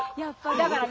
だからね